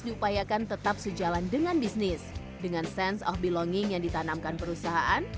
diupayakan tetap sejalan dengan bisnis dengan sense of belonging yang ditanamkan perusahaan